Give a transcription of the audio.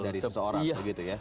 dari seseorang begitu ya